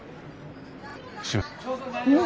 すいません。